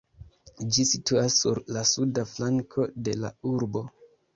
Ĝi situas sur la suda flanko de la urbo.